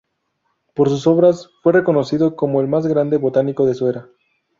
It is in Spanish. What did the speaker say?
Por sus obras, fue reconocido como el más grande botánico de su era.